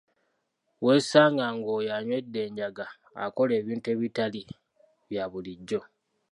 Weesanga nga oyo anywedde enjaga akola ebintu ebitali bya bulijjo.